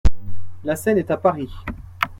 La scène est à Paris.